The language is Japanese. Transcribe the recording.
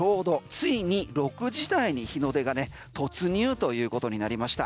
ついに６時台に日の出が突入ということになりました。